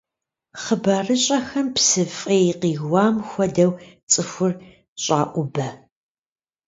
Хъыбарыщӏэхэм псы фӏей къиуам хуэдэу цӏыхур щӏаӏубэ.